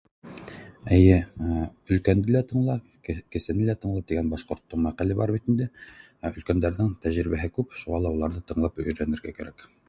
Эйе э өлкәнде лә тыңла, кесене лә тыңла тигән башҡорт мәҡәле бар бит инде, өлкәндәрҙең тәжрибәһе шуға ла уларҙы тыңлап өйрәнергә кәрәк